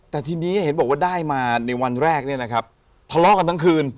แต่ทีนี้เห็นบอกว่าได้มาในวันแรกเนี่ยนะครับทะเลาะกันทั้งคืน